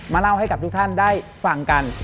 เล่าให้กับทุกท่านได้ฟังกัน